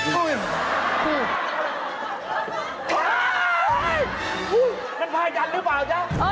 มันพายันหรือเปล่าจ๊ะ